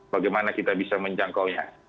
bagaimana kita bisa menjangkaunya